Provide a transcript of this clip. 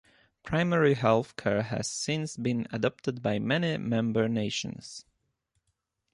Primary health care has since been adopted by many member nations.